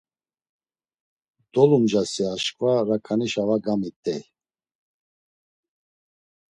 Dolumcasi aşǩva raǩaninaşa var gamit̆ey.